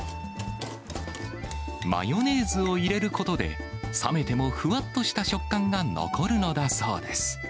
マヨネーズを入れることで、冷めてもふわっとした食感が残るのだそうです。